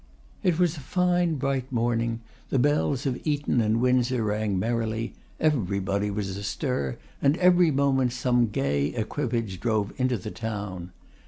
It was a fine, bright morning; the bells of Eton and Windsor rang merrily; everybody was astir, and every moment some gay equipage drove into the town.